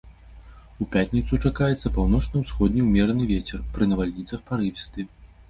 У пятніцу чакаецца паўночна-ўсходні ўмераны вецер, пры навальніцах парывісты.